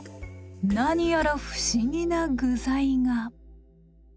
何やら不思議な具材が。